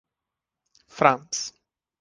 Franz.